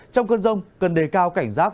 trong cơn rông cần đề cao cảnh rác